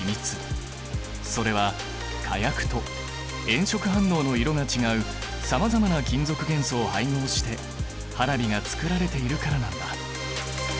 それは火薬と炎色反応の色が違うさまざまな金属元素を配合して花火がつくられているからなんだ。